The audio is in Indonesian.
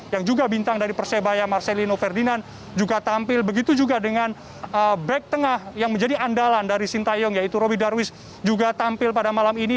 yang juga bintang dari persebaya marcelino ferdinand juga tampil begitu juga dengan back tengah yang menjadi andalan dari sintayong yaitu robby darwis juga tampil pada malam ini